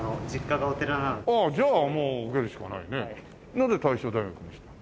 なぜ大正大学にしたの？